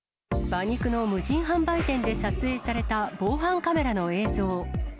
馬肉の無人販売店で撮影された防犯カメラの映像。